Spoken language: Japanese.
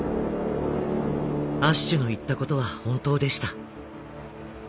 アッシュの言ったことは本当でした。